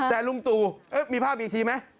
แต่ลุงตู่มีภาพอีกทีไหม